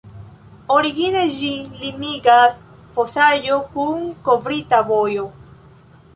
Origine ĝin limigas fosaĵo kun kovrita vojo.